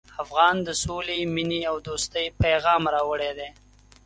افغان د سولې، مینې او دوستۍ پیغام راوړی دی.